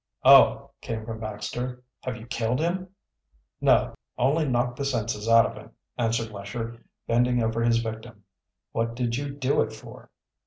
"Oh!" came from Baxter. "Have you killed him?" "No; only knocked the senses out of him," answered Lesher, bending over his victim. "What did you do it for?"